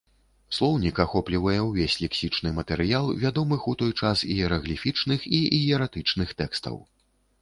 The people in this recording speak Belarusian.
Слоўнік ахоплівае ўвесь лексічны матэрыял вядомых у той час іерагліфічных і іератычных тэкстаў.